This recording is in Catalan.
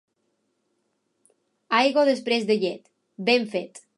Aigua després de llet, ben fet.